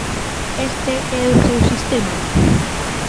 ¿Este é o seu sistema?